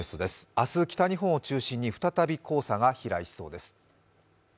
明日、北日本を中心に再び黄砂が飛来しそうです。